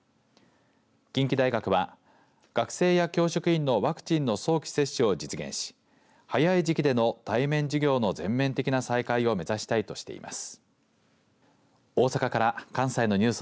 近畿大学は学生や教職員のワクチンの早期接種を実現し早い時期での対面授業の全面的な再開を目指したいとしています。